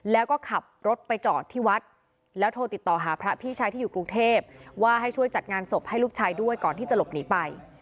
แล้วก็ขับรถไปจอดที่วัดแล้วโทรติดต่อหาพระพี่ชายที่อยู่กรุงเทพว่าให้ช่วยจัดงานศพให้ลูกชายด้วยก่อนที่จะหลบหนีไป